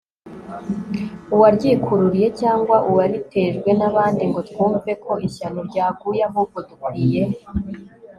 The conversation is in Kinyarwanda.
uwaryikururiye cyangwa uwaritejwe n'abandi) ngo twumve ko ishyano ryaguye ; ahubwo dukwiye